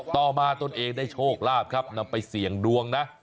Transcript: ต่อมาตนเองได้โชคลาภครับนำไปเสี่ยงดวงนะ